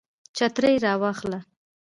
چترۍ را واخله